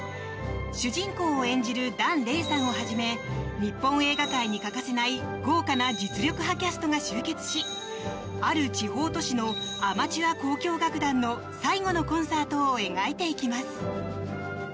主人公を演じる檀れいさんをはじめ日本映画界に欠かせない豪華な実力派キャストが集結しある地方都市のアマチュア交響楽団の最後のコンサートを描いていきます。